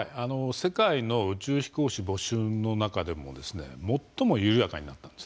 世界の宇宙飛行士募集の中でも最も緩やかになったんです。